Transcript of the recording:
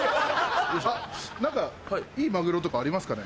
何かいいマグロとかありますかね？